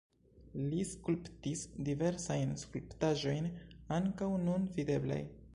Li skulptis diversajn skulptaĵojn, ankaŭ nun videblaj.